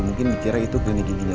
mungkin dikira itu klinik giginya